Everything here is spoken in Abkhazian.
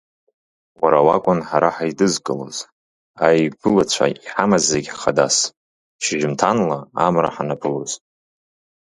Уара уакәын ҳара ҳаидызкылоз, аигәылацәа иҳамаз зегь хадас, шьыжьымҭанла амра ҳанаԥылоз…